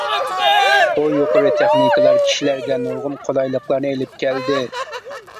بۇ يۇقىرى تېخنىكىلار كىشىلەرگە نۇرغۇن قولايلىقلارنى ئېلىپ كەلدى.